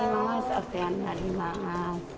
お世話になります。